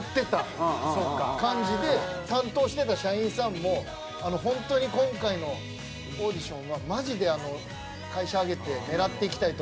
担当してた社員さんも「ホントに今回のオーディションはマジで会社挙げて狙っていきたいと思ってますので」。